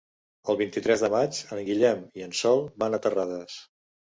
El vint-i-tres de maig en Guillem i en Sol van a Terrades.